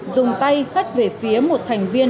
dùng tay khắt về phía một thành viên